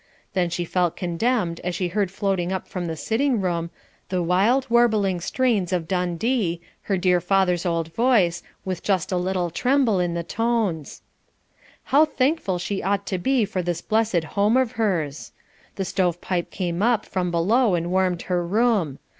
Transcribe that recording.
Then she felt condemned as she heard floating up from the sitting room, the "wild, warbling strains" of Dundee, her dear old father's voice, with just a little tremble in the tones. "How thankful she ought to be for this blessed home of hers." The stove pipe came up from below and warmed her room.